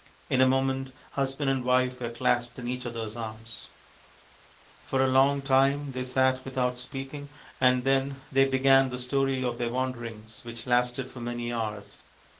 In a moment husband and wife were clasped in each other's arms. NALA THE GAMESTER 145 For a long time they sat without speaking, and then they began the story of their wanderings, which lasted for many hours.